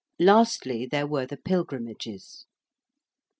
Lastly, there were the Pilgrimages.